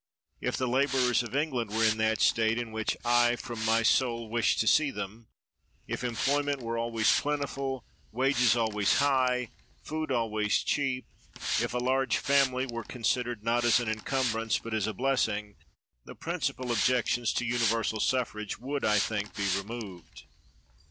If the la borers of England were in that state in whicl I, from my soul, wish to see them; if employ ment were always plentiful, wages always high food always cheap; if a large family were con sidered not as an encumbrance but as a blessing the principal objections to universal suffrag( would, I think, be removed.